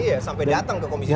iya sampai datang ke komisi satu